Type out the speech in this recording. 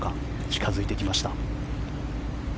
近付いてきました。